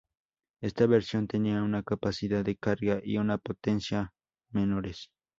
Esta versión tenía una capacidad de carga y una potencia menores.